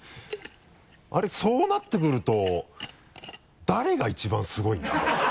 そうなってくると誰が一番すごいんだろうな？